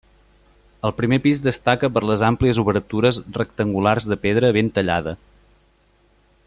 El primer pis destaca per les àmplies obertures rectangulars de pedra ben tallada.